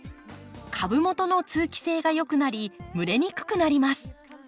株元の通気性が良くなり蒸れにくくなります。